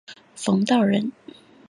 冯道人。